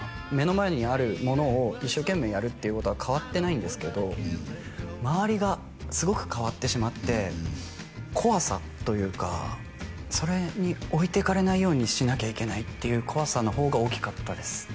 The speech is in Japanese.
目の前にあるものを一生懸命やるっていうことは変わってないんですけど周りがすごく変わってしまって怖さというかそれに置いていかれないようにしなきゃいけないっていう怖さの方が大きかったです